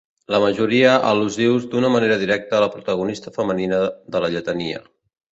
La majoria al·lusius d'una manera directa a la protagonista femenina de la lletania.